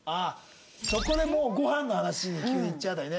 そこでもうごはんの話に急にいっちゃうあたりね